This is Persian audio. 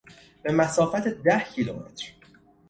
به مسافت ده کیلومتر